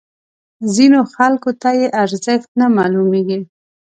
ځینو خلکو ته یې ارزښت نه معلومیږي.